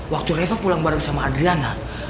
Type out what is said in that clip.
waktu revo pulang bareng sama adriana